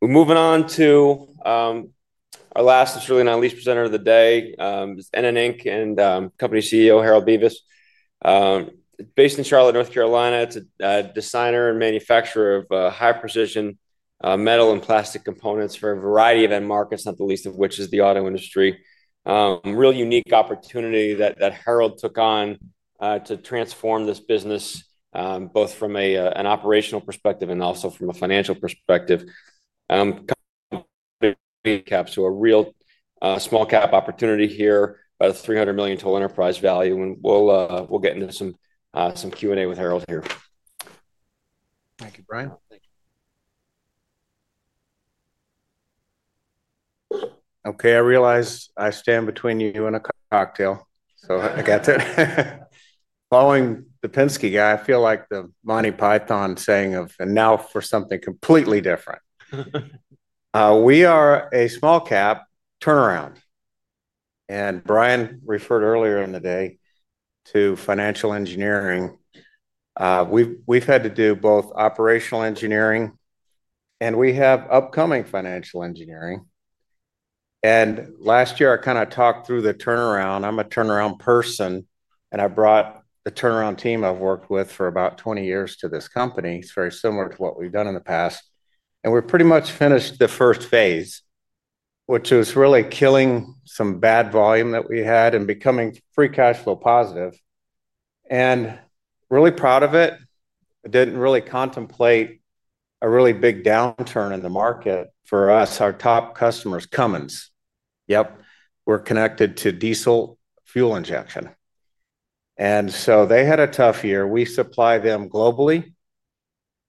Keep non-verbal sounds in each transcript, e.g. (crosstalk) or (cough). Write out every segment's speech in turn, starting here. Moving on to our last, and certainly not least, presenter of the day, NN Inc. and company CEO, Harold Bevis. Based in Charlotte, North Carolina, it's a designer and manufacturer of high-precision metal and plastic components for a variety of end markets, not the least of which is the auto industry. Real unique opportunity that Harold took on to transform this business, both from an operational perspective and also from a financial perspective. (audio distortion) recap to a real small-cap opportunity here by the $300 million total enterprise value. And we'll get into some Q&A with Harold here. Thank you, Brian. Okay, I realize I stand between you and a cocktail, so I got to. Following the Penske guy, I feel like the Monty Python saying of, "And now for something completely different." We are a small-cap turnaround. Brian referred earlier in the day to financial engineering. We've had to do both operational engineering, and we have upcoming financial engineering. Last year, I kind of talked through the turnaround. I'm a turnaround person, and I brought the turnaround team I've worked with for about 20 years to this company. It's very similar to what we've done in the past. We've pretty much finished the first phase, which was really killing some bad volume that we had and becoming free cash flow positive. I'm really proud of it. I didn't really contemplate a really big downturn in the market for us, our top customers, Cummins. Yep, we're connected to diesel fuel injection. They had a tough year. We supply them globally.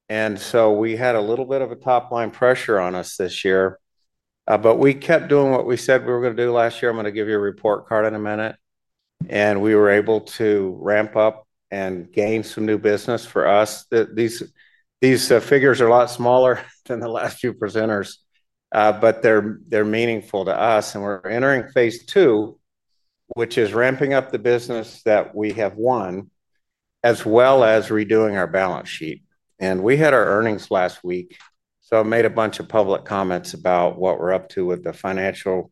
We had a little bit of a top-line pressure on us this year. We kept doing what we said we were going to do last year. I'm going to give you a report card in a minute. We were able to ramp up and gain some new business for us. These figures are a lot smaller than the last few presenters, but they're meaningful to us. We're entering phase two, which is ramping up the business that we have won, as well as redoing our balance sheet. We had our earnings last week. I made a bunch of public comments about what we're up to with the financial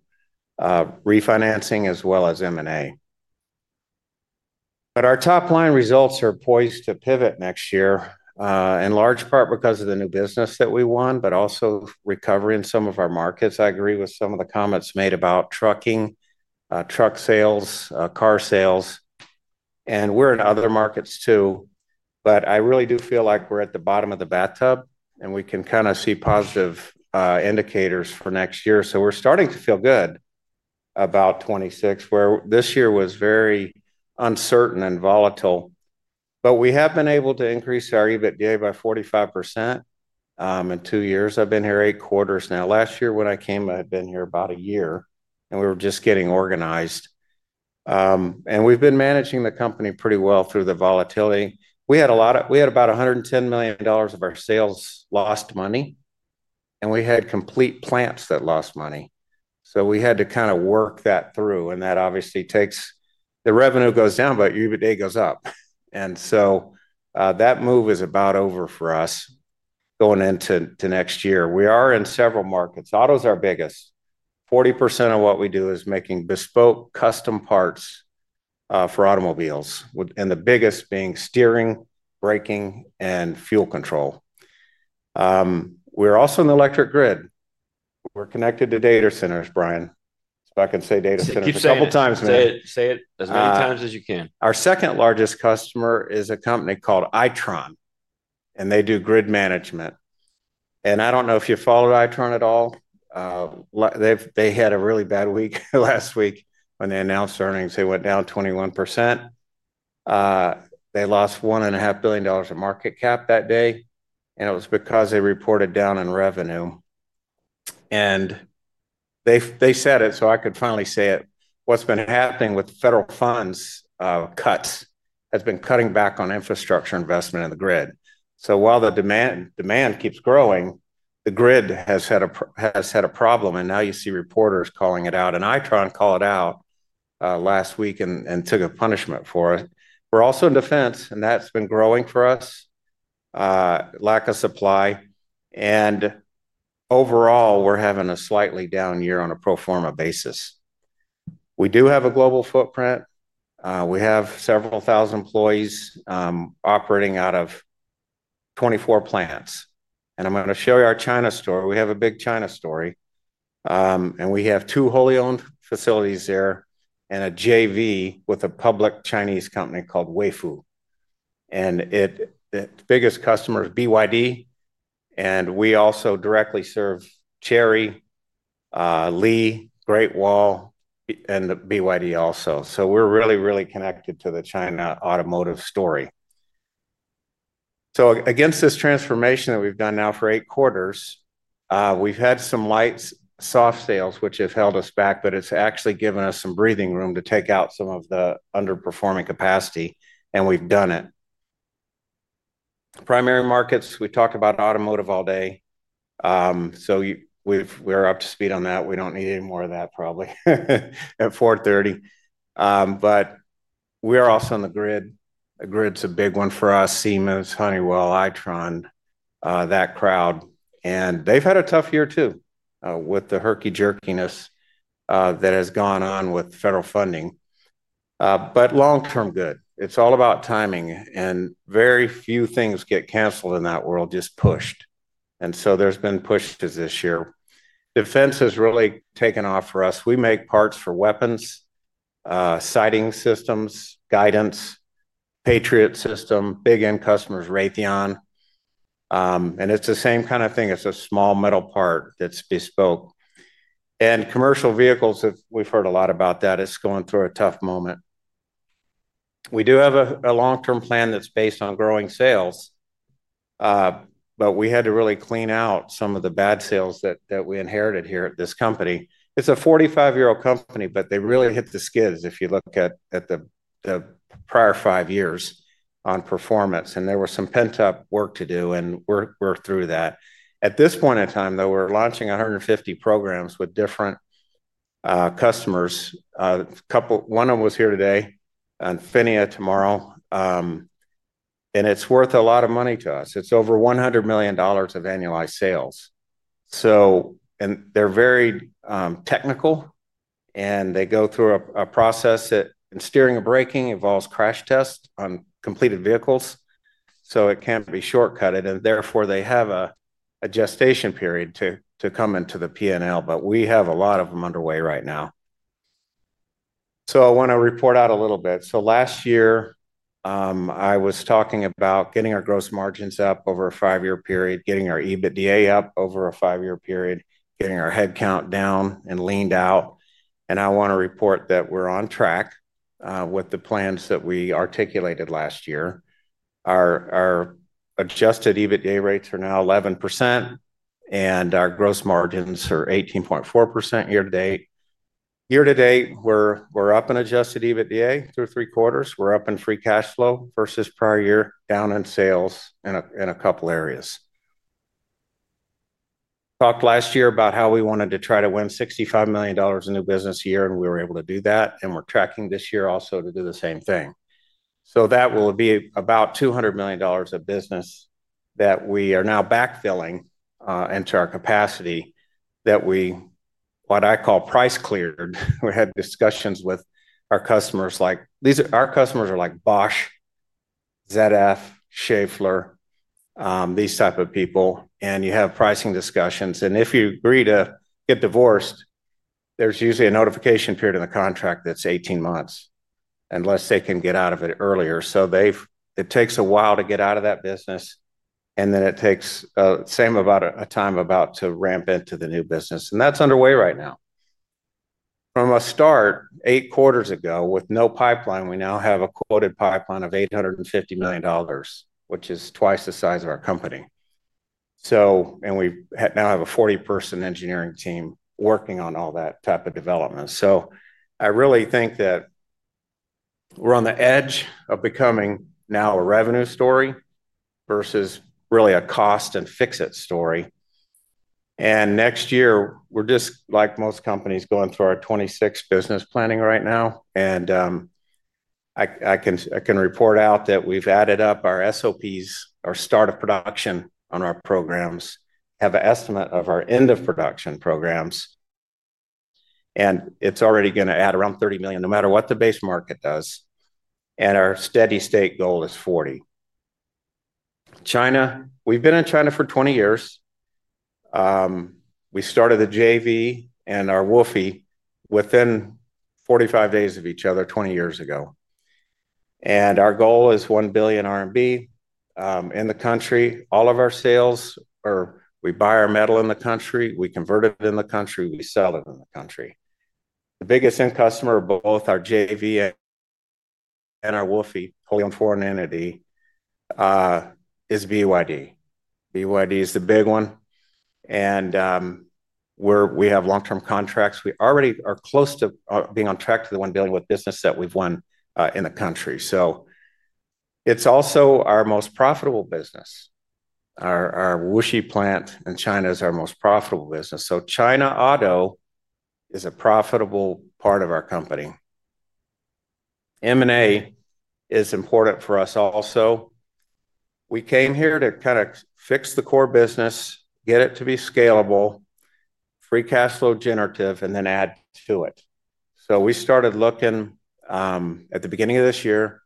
refinancing, as well as M&A. Our top-line results are poised to pivot next year, in large part because of the new business that we won, but also recovery in some of our markets. I agree with some of the comments made about trucking, truck sales, car sales. We're in other markets too. I really do feel like we're at the bottom of the bathtub, and we can kind of see positive indicators for next year. We're starting to feel good about 2026, where this year was very uncertain and volatile. We have been able to increase our EBITDA by 45% in two years. I've been here eight quarters now. Last year, when I came, I had been here about a year, and we were just getting organized. We've been managing the company pretty well through the volatility. We had about $110 million of our sales lost money, and we had complete plants that lost money. We had to kind of work that through. That obviously takes the revenue goes down, but your EBITDA goes up. That move is about over for us going into next year. We are in several markets. Auto's our biggest. 40% of what we do is making bespoke custom parts. For automobiles, and the biggest being steering, braking, and fuel control. We're also in the electric grid. We're connected to data centers, Brian. I can say data centers a couple of times, man. Keep saying it. You can say it as many times as you can. Our second largest customer is a company called Itron, and they do grid management. I do not know if you followed Itron at all. They had a really bad week last week when they announced earnings. They went down 21%. They lost $1.5 billion of market cap that day. It was because they reported down in revenue. They said it, so I could finally say it. What has been happening with the federal funds cuts has been cutting back on infrastructure investment in the grid. While the demand keeps growing, the grid has had a problem. Now you see reporters calling it out. Itron called it out last week and took a punishment for it. We are also in defense, and that has been growing for us. Lack of supply. Overall, we are having a slightly down year on a pro forma basis. We do have a global footprint. We have several thousand employees operating out of 24 plants. I am going to show you our China story. We have a big China story. We have two wholly owned facilities there and a JV with a public Chinese company called Weifu. The biggest customer is BYD. We also directly serve Chery, Li, Great Wall, and BYD also. We are really, really connected to the China automotive story. Against this transformation that we have done now for eight quarters, we have had some light soft sales, which have held us back, but it has actually given us some breathing room to take out some of the underperforming capacity. We have done it. Primary markets, we talked about automotive all day. We are up to speed on that. We do not need any more of that, probably, at 4:30. We are also in the grid. The grid is a big one for us: Siemens, Honeywell, Itron, that crowd. They have had a tough year too with the herky-jerkiness that has gone on with federal funding. Long-term good. It is all about timing. Very few things get canceled in that world, just pushed. There have been pushes this year. Defense has really taken off for us. We make parts for weapons, sighting systems, guidance. Patriot system, big end customers, Raytheon. It is the same kind of thing. It is a small metal part that is bespoke. Commercial vehicles, we have heard a lot about that. It is going through a tough moment. We do have a long-term plan that is based on growing sales. We had to really clean out some of the bad sales that we inherited here at this company. It is a 45-year-old company, but they really hit the skids if you look at the prior five years on performance. There was some pent-up work to do, and we are through that. At this point in time, we are launching 150 programs with different customers. One of them was here today, [Infineon] tomorrow. It is worth a lot of money to us. It is over $100 million of annualized sales. They are very technical. They go through a process that in steering and braking involves crash tests on completed vehicles. It cannot be short-cuted. Therefore, they have a gestation period to come into the P&L. We have a lot of them underway right now. I want to report out a little bit. Last year, I was talking about getting our gross margins up over a five-year period, getting our EBITDA up over a five-year period, getting our headcount down and leaned out. I want to report that we are on track with the plans that we articulated last year. Our adjusted EBITDA rates are now 11%. Our gross margins are 18.4% year-to-date. Year-to-date, we are up in adjusted EBITDA through three quarters. We are up in free cash flow versus prior year, down in sales in a couple of areas. I talked last year about how we wanted to try to win $65 million in new business a year, and we were able to do that. We are tracking this year also to do the same thing. That will be about $200 million of business that we are now backfilling into our capacity that we, what I call, price cleared. We had discussions with our customers like Bosch, [ZF], Schaeffler, these type of people. You have pricing discussions. If you agree to get divorced, there is usually a notification period in the contract that is 18 months unless they can get out of it earlier. It takes a while to get out of that business. Then it takes about the same amount of time to ramp into the new business. That is underway right now. From a start eight quarters ago with no pipeline, we now have a quoted pipeline of $850 million, which is twice the size of our company. We now have a 40-person engineering team working on all that type of development. I really think that we are on the edge of becoming now a revenue story versus really a cost and fix-it story. Next year, we are just like most companies going through our 2026 business planning right now. I can report out that we have added up our SOPs, our start of production on our programs, have an estimate of our end-of-production programs. It is already going to add around $30 million no matter what the base market does. Our steady-state goal is $40 million. China, we have been in China for 20 years. We started the JV and our WOFE within 45 days of each other 20 years ago. Our goal is 1 billion RMB in the country. All of our sales are, we buy our metal in the country. We convert it in the country. We sell it in the country. The biggest end customer of both our JV and our WOFE, wholly owned foreign entity, is BYD. BYD is the big one. We have long-term contracts. We already are close to being on track to the one dealing with business that we've won in the country. It's also our most profitable business. Our Wuxi plant in China is our most profitable business. China Auto is a profitable part of our company. M&A is important for us also. We came here to kind of fix the core business, get it to be scalable, free cash flow generative, and then add to it. We started looking at the beginning of this year,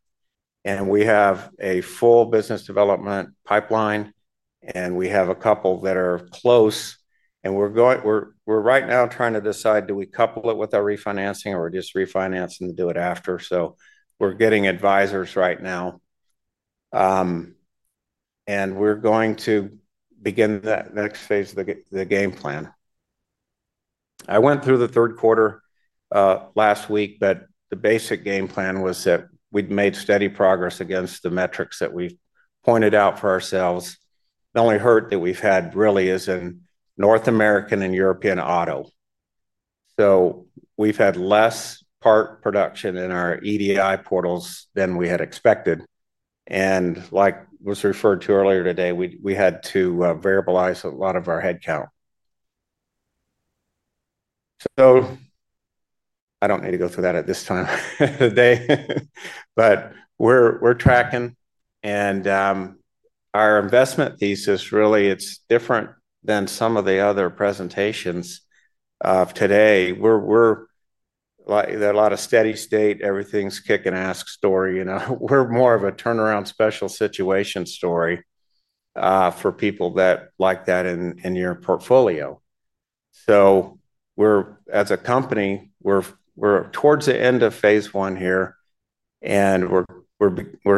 and we have a full business development pipeline, and we have a couple that are close. We're right now trying to decide, do we couple it with our refinancing or just refinance and do it after? We're getting advisors right now, and we're going to begin the next phase of the game plan. I went through the third quarter last week, but the basic game plan was that we'd made steady progress against the metrics that we've pointed out for ourselves. The only hurt that we've had really is in North American and European auto. We've had less part production in our EDI portals than we had expected. Like was referred to earlier today, we had to variabilize a lot of our headcount. I don't need to go through that at this time of the day. We're tracking. Our investment thesis really, it's different than some of the other presentations of today. There are a lot of steady-state, everything's kick-and-ask story. We're more of a turnaround special situation story for people that like that in your portfolio. As a company, we're towards the end of phase one here. We're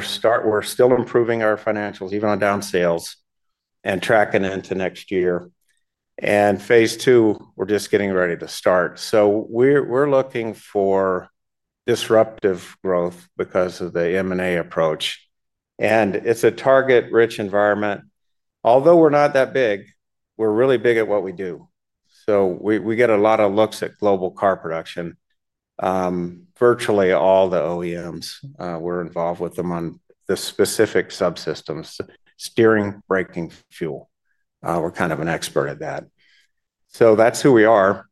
still improving our financials, even on down sales, and tracking into next year. Phase two, we're just getting ready to start. We're looking for disruptive growth because of the M&A approach, and it's a target-rich environment. Although we're not that big, we're really big at what we do. We get a lot of looks at global car production. Virtually all the OEMs, we're involved with them on the specific subsystems, steering, braking, fuel. We're kind of an expert at that. That's who we are.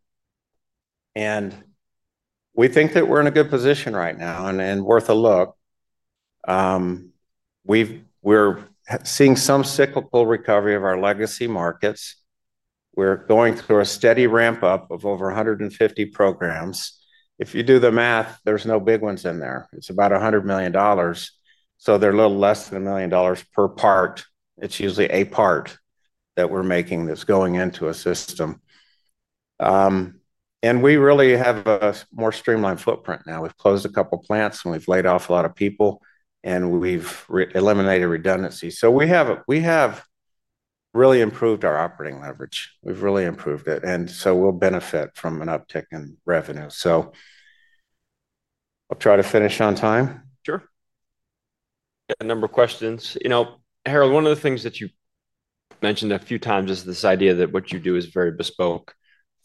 We think that we're in a good position right now and worth a look. We're seeing some cyclical recovery of our legacy markets. We're going through a steady ramp-up of over 150 programs. If you do the math, there's no big ones in there. It's about $100 million. They're a little less than a million dollars per part. It's usually a part that we're making that's going into a system. We really have a more streamlined footprint now. We've closed a couple of plants, and we've laid off a lot of people, and we've eliminated redundancy. We have really improved our operating leverage. We've really improved it, and we'll benefit from an uptick in revenue. I'll try to finish on time. Sure. A number of questions. Harold, one of the things that you mentioned a few times is this idea that what you do is very bespoke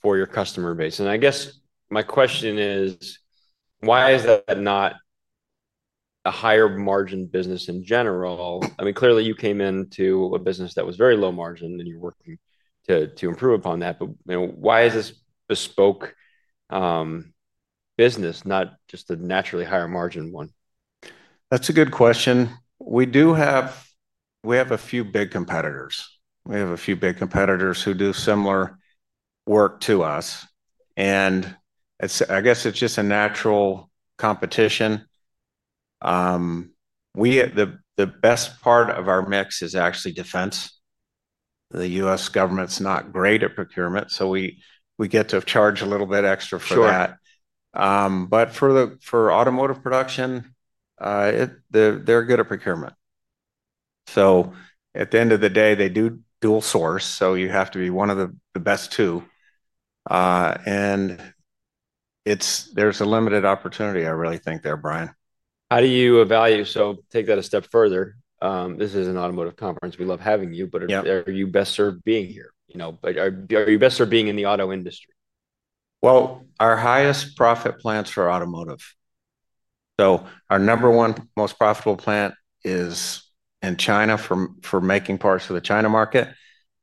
for your customer base. I guess my question is, why is that not a higher margin business in general? I mean, clearly, you came into a business that was very low margin, and you're working to improve upon that. Why is this bespoke business not just a naturally higher margin one? That's a good question. We have a few big competitors. We have a few big competitors who do similar work to us. I guess it's just a natural competition. The best part of our mix is actually defense. The U.S. government's not great at procurement, so we get to charge a little bit extra for that. For automotive production, they're good at procurement. At the end of the day, they do dual source, so you have to be one of the best two. There's a limited opportunity, I really think there, Brian. How do you evaluate? Take that a step further. This is an automotive conference. We love having you, but are you best served being here? Are you best served being in the auto industry? Our highest profit plants are automotive. Our number one most profitable plant is in China for making parts for the China market.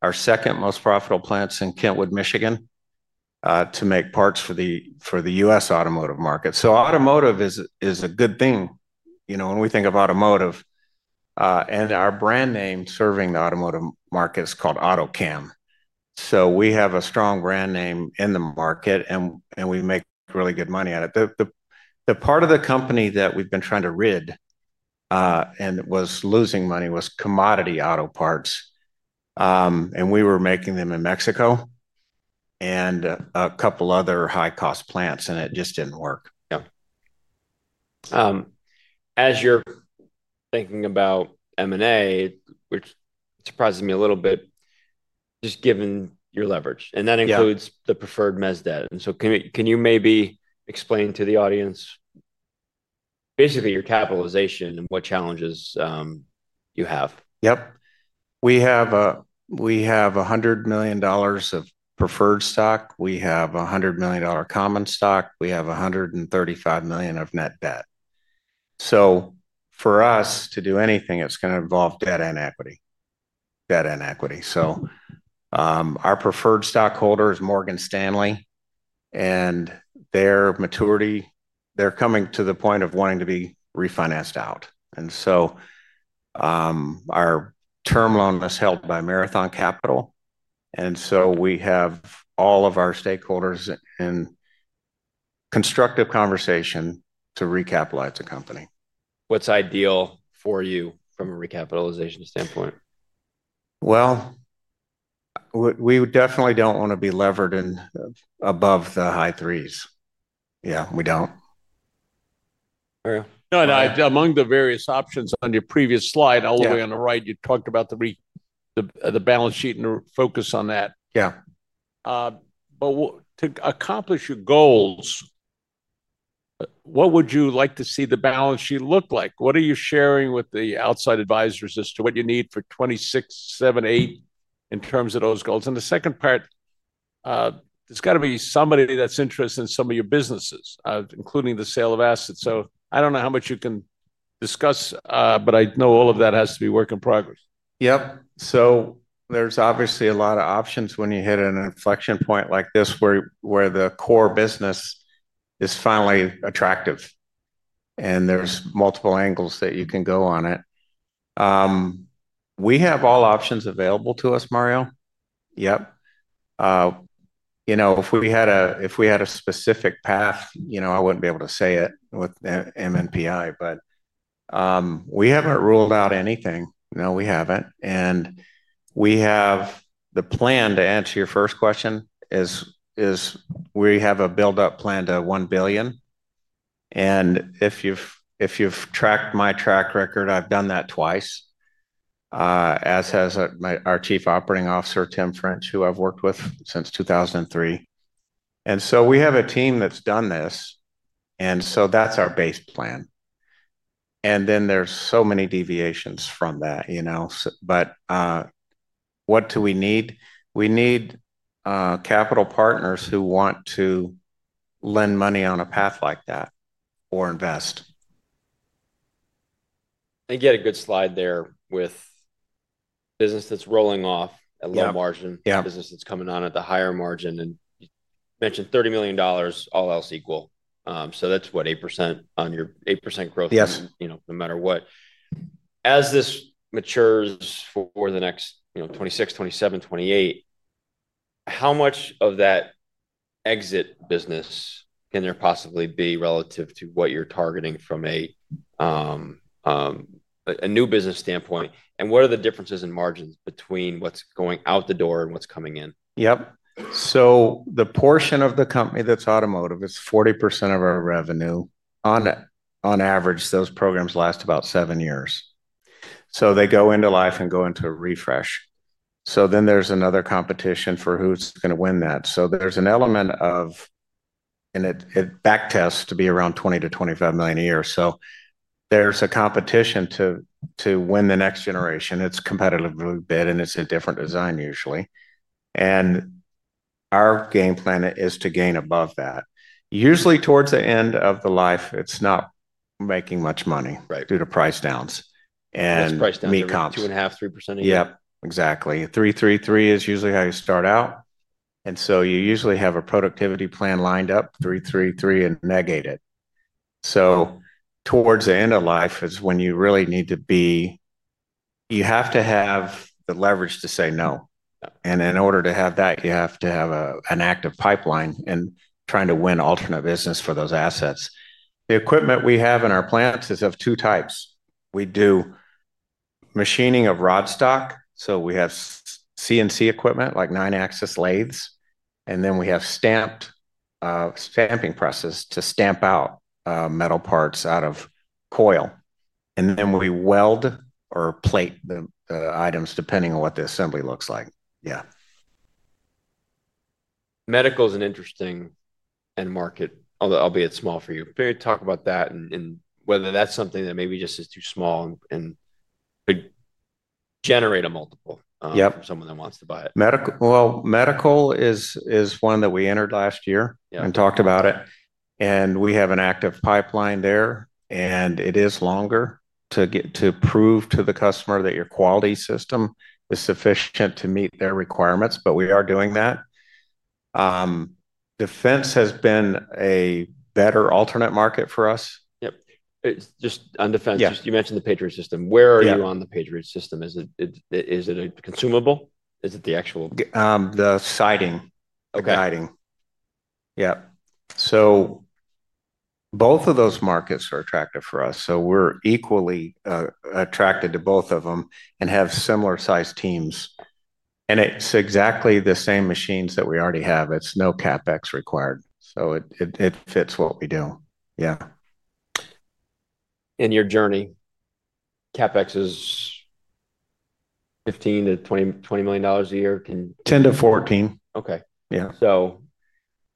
Our second most profitable plant is in Kentwood, Michigan to make parts for the US automotive market. Automotive is a good thing. When we think of automotive, our brand name serving the automotive market is called Autocam. We have a strong brand name in the market, and we make really good money at it. The part of the company that we've been trying to rid and was losing money was commodity auto parts. We were making them in Mexico and a couple of other high-cost plants, and it just didn't work. Yeah. As you're thinking about M&A, which surprises me a little bit, just given your leverage. That includes the preferred mezz debt. Can you maybe explain to the audience basically your capitalization and what challenges you have? Yep. We have $100 million of preferred stock. We have $100 million common stock. We have $135 million of net debt. For us to do anything, it's going to involve debt and equity. Debt and equity. Our preferred stockholder is Morgan Stanley. Their maturity, they're coming to the point of wanting to be refinanced out. Our term loan is held by Marathon Capital. We have all of our stakeholders in constructive conversation to recapitalize the company. What's ideal for you from a recapitalization standpoint? We definitely don't want to be levered above the high threes. Yeah, we don't. No, no. Among the various options on your previous slide, all the way on the right, you talked about the balance sheet and focus on that. Yeah. To accomplish your goals, what would you like to see the balance sheet look like? What are you sharing with the outside advisors as to what you need for 2026, 2027, 2028 in terms of those goals? The second part. There has got to be somebody that is interested in some of your businesses, including the sale of assets. I do not know how much you can discuss, but I know all of that has to be work in progress. Yep. There are obviously a lot of options when you hit an inflection point like this where the core business is finally attractive. There are multiple angles that you can go on it. We have all options available to us, Mario. If we had a specific path, I would not be able to say it with MNPI, but we have not ruled out anything. No, we have not. The plan to answer your first question is we have a build-up plan to $1 billion. If you have tracked my track record, I have done that twice, as has our Chief Operating Officer, Tim French, who I have worked with since 2003. We have a team that has done this, and that is our base plan. There are so many deviations from that. What do we need? We need capital partners who want to lend money on a path like that or invest. You get a good slide there with business that's rolling off at low margin, business that's coming on at the higher margin. You mentioned $30 million, all else equal. That's what, 8% on your 8% growth no matter what. As this matures for the next 2026, 2027, 2028, how much of that exit business can there possibly be relative to what you're targeting from a new business standpoint? What are the differences in margins between what's going out the door and what's coming in? Yep. The portion of the company that's automotive is 40% of our revenue. On average, those programs last about seven years. They go into life and go into a refresh. Then there's another competition for who's going to win that. There's an element of it, and it backtests to be around $20 million-$25 million a year. There's a competition to win the next generation. It's competitively bid, and it's a different design usually. Our game plan is to gain above that. Usually towards the end of the life, it's not making much money due to price downs. That's price downs of 2.5%-3% a year? Yep. Exactly. 3/3/3 is usually how you start out. You usually have a productivity plan lined up,3/3/3, and negate it. Towards the end of life is when you really need to be. You have to have the leverage to say no. In order to have that, you have to have an active pipeline and trying to win alternate business for those assets. The equipment we have in our plants is of two types. We do machining of rod stock. We have CNC equipment, like nine-axis lathes. We have stamping presses to stamp out metal parts out of coil. We weld or plate the items depending on what the assembly looks like. Yeah. Medical is an interesting end market, albeit small for you. Can you talk about that and whether that's something that maybe just is too small and could generate a multiple for someone that wants to buy it? Medical is one that we entered last year and talked about it. We have an active pipeline there. It is longer to prove to the customer that your quality system is sufficient to meet their requirements. We are doing that. Defense has been a better alternate market for us. Yep. Just on defense, you mentioned the Patriot system. Where are you on the Patriot system? Is it a consumable? Is it the actual? The sighting. The guiding. Yep. Both of those markets are attractive for us. We're equally attracted to both of them and have similar-sized teams. It's exactly the same machines that we already have. It's no CapEx required. It fits what we do. Yeah. In your journey, CapEx is $15 million-$20 million a year? $10 million-$14 million. Okay.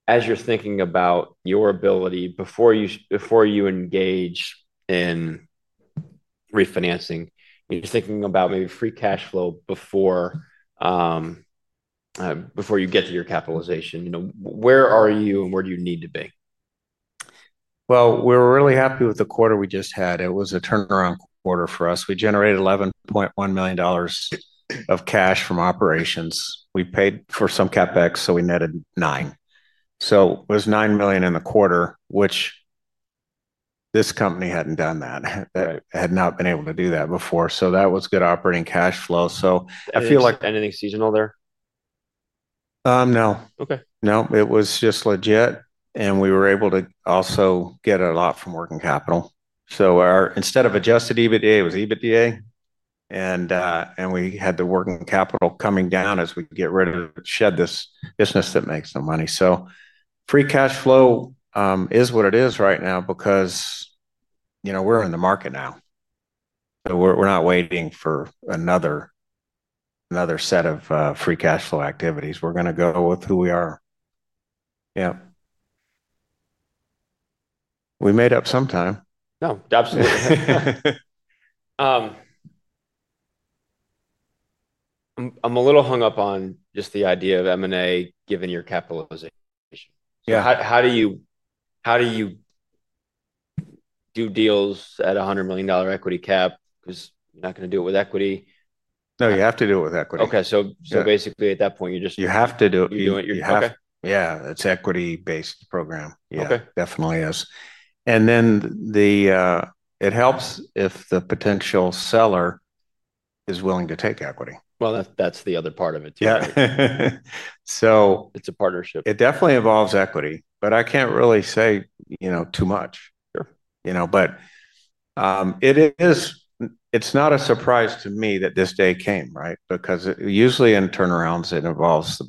So. As you're thinking about your ability before you engage in refinancing, you're thinking about maybe free cash flow before you get to your capitalization. Where are you and where do you need to be? We were really happy with the quarter we just had. It was a turnaround quarter for us. We generated $11.1 million of cash from operations. We paid for some CapEx, so we netted $9 million. It was $9 million in the quarter, which this company hadn't done that, had not been able to do that before. That was good operating cash flow. I feel like. Anything seasonal there? No. No. It was just legit. And we were able to also get a lot from working capital. So instead of adjusted EBITDA, it was EBITDA. And we had the working capital coming down as we get rid of, shed this business that makes some money. So free cash flow is what it is right now because we are in the market now. We are not waiting for another set of free cash flow activities. We are going to go with who we are. Yep. We made up some time. No. Absolutely. I'm a little hung up on just the idea of M&A given your [capitalization]. How do you do deals at a $100 million equity cap because you're not going to do it with equity? No, you have to do it with equity. Okay. So basically, at that point, you just. You have to do it. You do it? You have to. Yeah. It's an equity-based program. Yeah. Definitely is. It helps if the potential seller is willing to take equity. That's the other part of it too. It's a partnership. It definitely involves equity, but I can't really say too much. It's not a surprise to me that this day came, right? Because usually in turnarounds, it involves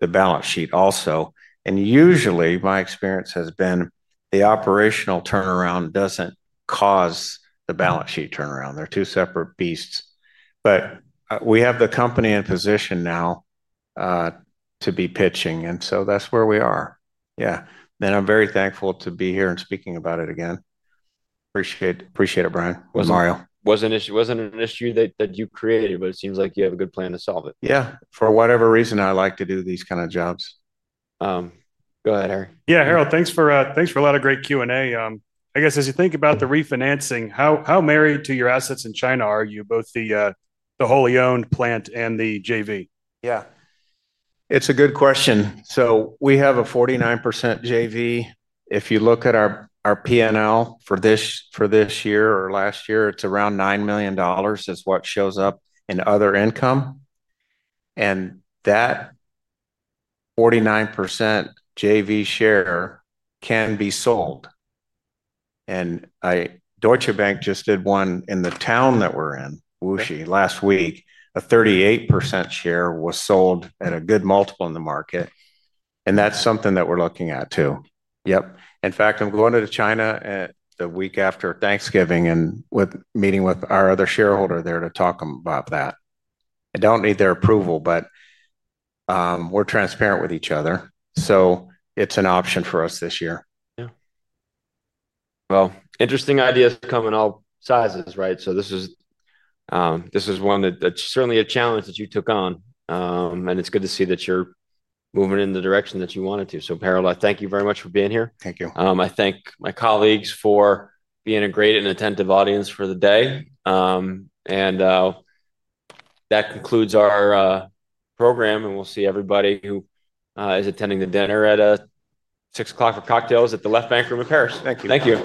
the balance sheet also. Usually, my experience has been the operational turnaround doesn't cause the balance sheet turnaround. They're two separate beasts. We have the company in position now to be pitching, and that's where we are. Yeah. I'm very thankful to be here and speaking about it again. Appreciate it, Brian. It was an issue. It wasn't an issue that you created, but it seems like you have a good plan to solve it. Yeah. For whatever reason, I like to do these kinds of jobs. Go ahead, Harry. Yeah, Harold, thanks for a lot of great Q&A. I guess as you think about the refinancing, how married to your assets in China are you, both the wholly owned plant and the JV? Yeah. It's a good question. We have a 49% JV. If you look at our P&L for this year or last year, it's around $9 million is what shows up in other income. That 49% JV share can be sold. Deutsche Bank just did one in the town that we're in, Wuxi, last week. A 38% share was sold at a good multiple in the market. That's something that we're looking at too. Yep. In fact, I'm going to China the week after Thanksgiving and meeting with our other shareholder there to talk about that. I don't need their approval, but we're transparent with each other. It's an option for us this year. Yeah. Interesting ideas come in all sizes, right? This is one that's certainly a challenge that you took on. It's good to see that you're moving in the direction that you wanted to. Harold, I thank you very much for being here. Thank you. I thank my colleagues for being a great and attentive audience for the day. That concludes our program. We will see everybody who is attending the dinner at 6:00 P.M. for cocktails at the Left Bank room in Paris. Thank you.